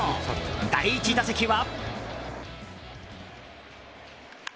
第１打席は。